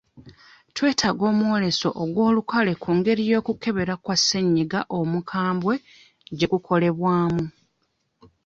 Twetaaga omwoleso ogw'olukale ku ngeri okukebera kwa ssenyiga omukwambwe gye kukolebwamu.